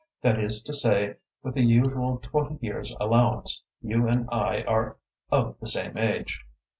That is to say, with the usual twenty years' allowance, you and I are of the same age."